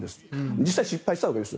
実際は失敗したわけです。